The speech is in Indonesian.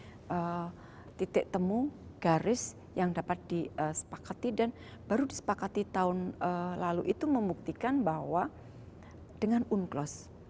ada titik temu garis yang dapat disepakati dan baru disepakati tahun lalu itu membuktikan bahwa dengan unclos